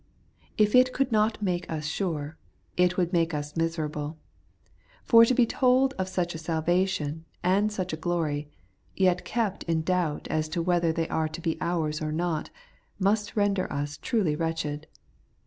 If it could not make us sure, it would make us miserable ; for to be told of such a salvation and such a glory, yet kept in doubt as to whether they are to be ours or not, must render us truly wretched.